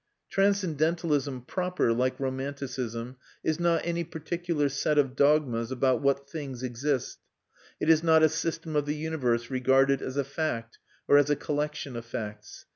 Transcendentalism proper, like romanticism, is not any particular set of dogmas about what things exist; it is not a system of the universe regarded as a fact, or as a collection of facts.